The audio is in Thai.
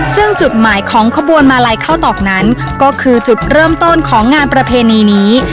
ซึ่งจุดหมายของขบวนมาลัยเข้าตอกนั้นก็คือจุดเริ่มต้นของงานประเพณีนี้